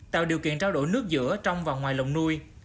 tạo điều kiện trao đổi nước giữa trong và ngoài lồng nuôi